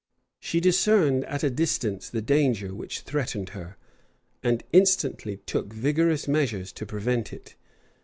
She discerned at a distance the danger which threatened her; and instantly took vigorous measures to prevent it.